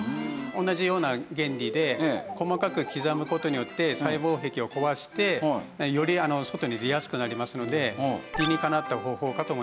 同じような原理で細かく刻む事によって細胞壁を壊してより外に出やすくなりますので理にかなった方法かと思います。